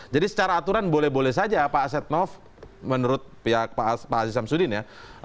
jadi secara aturan boleh boleh saja pak asetnoff menurut pihak pak aziz samsudin ya